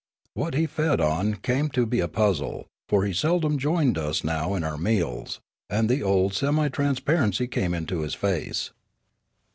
What he fed on came to be a puzzle, for he seldom joined us now in our meals; and the old semi transparency came into his face.